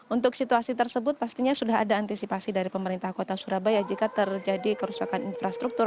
untuk situasi tersebut pastinya sudah ada antisipasi dari pemerintah kota surabaya jika terjadi kerusakan infrastruktur